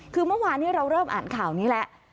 คือเมื่อวานนี้เราเริ่มอ่านข่าวนี้แล้ว